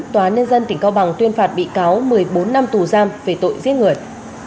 tòa nhân dân tỉnh cao bằng tuyên phạt bị cáo một mươi bốn năm tù giam về tội giết người